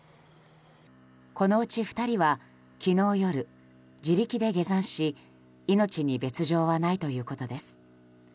このうち２人は昨日夜、自力で下山し命に別条はないということです。